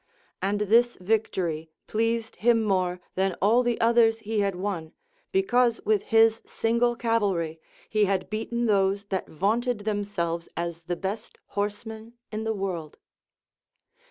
And this victory pleased him more than all the others he had won, because with his single cavalry he had beaten those that vaunted themselves as the best horsemen in the world.